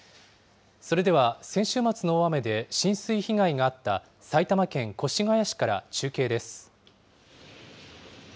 それでは、先週末の大雨で浸水被害があった埼玉県越谷市から中継です。